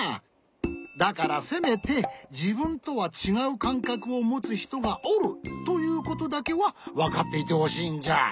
だからせめてじぶんとはちがうかんかくをもつひとがおるということだけはわかっていてほしいんじゃ。